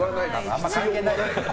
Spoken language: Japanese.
あんま関係ないよ。